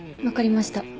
分かりました。